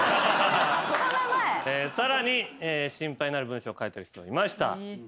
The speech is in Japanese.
さらに心配になる文章書いてる人がいました。